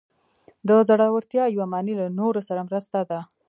د زړورتیا یوه معنی له نورو سره مرسته ده.